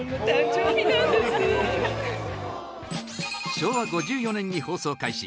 昭和５４年に放送開始